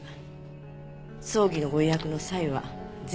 葬儀のご予約の際はぜひ。